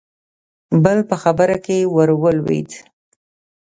بل په خبره کې ورولوېد: